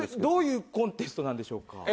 どういうコンテストなんでしょうか？